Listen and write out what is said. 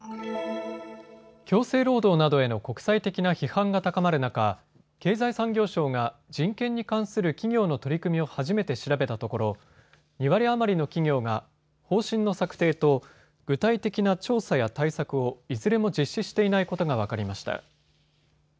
強制労働などへの国際的な批判が高まる中、経済産業省が人権に関する企業の取り組みを初めて調べたところ２割余りの企業が方針の策定と具体的な調査や対策を、いずれも実施していないことが分かりました。